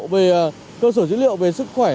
về cơ sở dữ liệu về sức khỏe